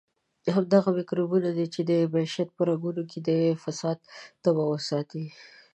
همدغه میکروبونه دي چې د معیشت په رګونو کې د فساد تبه وساتي.